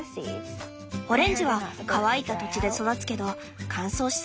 オレンジは乾いた土地で育つけど乾燥しすぎても駄目。